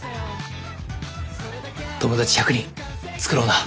友達１００人作ろうな。